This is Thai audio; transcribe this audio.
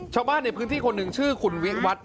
ชาวบ้านในพื้นที่คนหนึ่งชื่อคุณวิวัฒน์